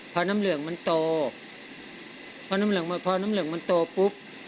พอน้ำเหลืองมันโตพอน้ำเหลืองมันโตปุ๊บ